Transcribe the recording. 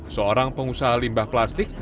seorang pengusaha limbah plastik